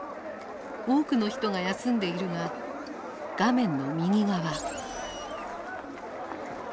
多くの人が休んでいるが画面の右側。